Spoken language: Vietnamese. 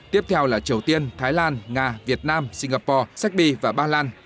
tiếp theo là triều tiên thái lan nga việt nam singapore serbia và ba lan